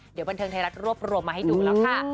เดี๋ยวบันเทิงไทยรัฐรวบรวมมาให้ดูแล้วค่ะ